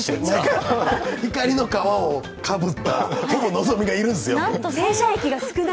ひかりの皮をかぶった、ほぼのぞみがいるんですよ。